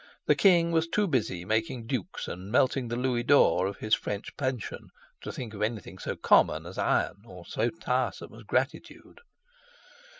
The king was too busy making dukes and melting the louis d'ors of his French pension, to think of anything so common as iron or so tiresome as gratitude.